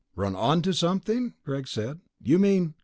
"Run onto something?" Greg said. "You mean...."